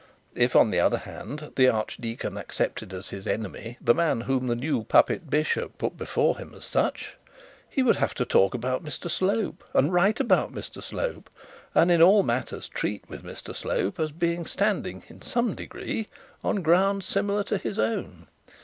If, on the other hand, the archdeacon accepted as his enemy the man whom the new puppet bishop put before him as such, he would have to talk about Mr Slope, and write about Mr Slope, and in all matters treat with Mr Slope, as a being standing, in some degree, on ground similar to his own.